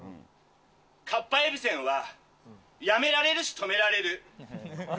かっぱえびせんはやめられるしとめられる。